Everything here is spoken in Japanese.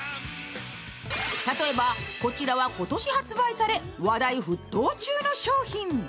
例えば、こちらは今年発売され話題沸騰中の商品。